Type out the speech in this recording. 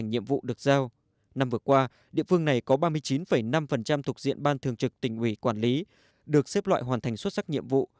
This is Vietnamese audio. năm vừa qua địa phương này có ba mươi chín năm thuộc diện ban thường trực tỉnh ủy quản lý được xếp loại hoàn thành xuất sắc nhiệm vụ